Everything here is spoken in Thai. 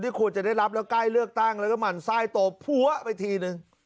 ควรจะได้รับแล้วใกล้เลือกตั้งแล้วก็หมั่นไส้โตพัวไปทีนึง